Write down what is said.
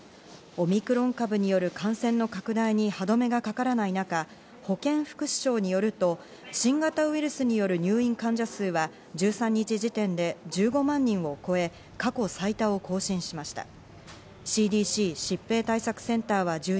オミクロン株による感染の拡大に歯止めがかからない中、保健福祉省によると新型ウイルスによる入院患者数は１３日時点で１５万人を超え、過去最多を更新しました。